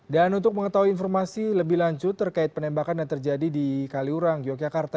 dan untuk mengetahui informasi lebih lanjut terkait penembakan yang terjadi di kaliurang yogyakarta